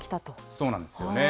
そうなんですよね。